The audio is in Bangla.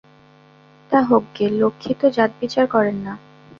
তা হোক গে, লক্ষ্মী তো জাতবিচার করেন না।